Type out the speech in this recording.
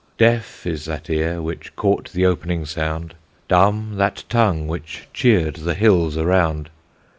Deaf is that ear which caught the opening sound; Dumb that tongue which cheer'd the hills around.